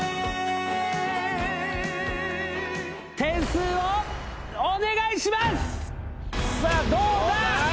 点数をお願いします。